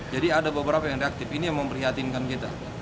jadi ada beberapa yang reaktif ini yang memperhatinkan kita